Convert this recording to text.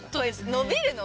伸びるの？